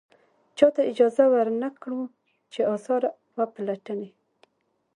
چاته اجازه ور نه کړو چې اثار و پلټنې.